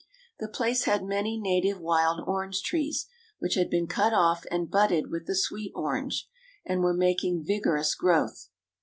The place had many native wild orange trees, which had been cut off and budded with the sweet orange, and were making vigorous growth.